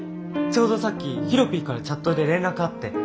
ちょうどさっきヒロピーからチャットで連絡あって。